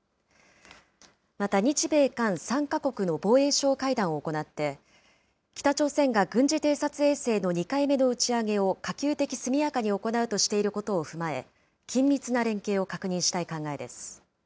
また日米韓３か国の防衛相会談を行って、北朝鮮が軍事偵察衛星の２回目の打ち上げを、可及的速やかに行うとしていることを踏まえ、緊密な連携を確認したい考えです。